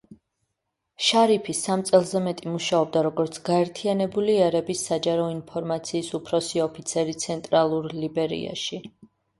შარიფი სამ წელზე მეტი მუშაობდა, როგორც გაერთიანებული ერების საჯარო ინფორმაციის უფროსი ოფიცერი ცენტრალურ ლიბერიაში.